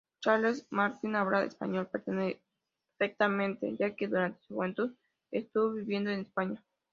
Charles Martinet habla español perfectamente ya que durante su juventud estuvo viviendo en España.